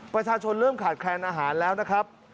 ประชาชนเริ่มขาดแคลนอาหารแล้วนะครับ